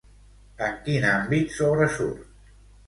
En quin àmbit sobresurt?